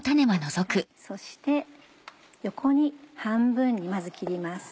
そして横に半分にまず切ります。